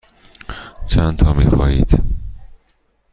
چندتا می خواهید؟